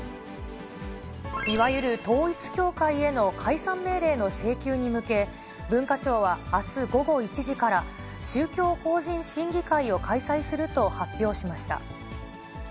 いわゆる統一教会への解散命令の請求に向け、文化庁はあす午後１時から、宗教法人審議会を開催すると発表しました。